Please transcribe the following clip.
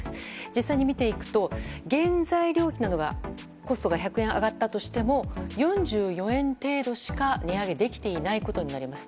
実際に見ていくと原材料費などが１００円上がったとしても４４円程度しか値上げできていないことになります。